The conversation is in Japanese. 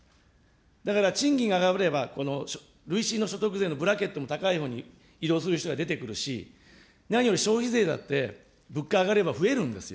だから賃金が上がれば、累進の所得税のブラケットも高いものに移動する人が出てくるし、何より消費税だって、物価上がれば増えるんですよ。